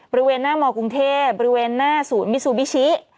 บริเวณหน้ามกรุงเทพบริเวณหน้าศูนย์มิซูบิชิ